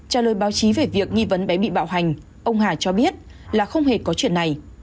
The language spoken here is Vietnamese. trả lời báo chí về việc nghi vấn bé bị bạo hành ông hà cho biết là không hề có chuyện này